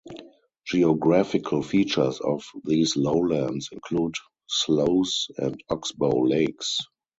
Geographical features of these lowlands include sloughs and oxbow lakes.